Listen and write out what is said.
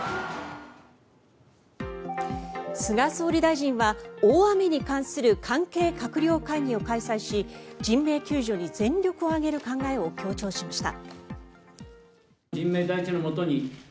菅総理大臣は大雨に関する関係閣僚会議を開催し人命救助に全力を挙げる考えを強調しました。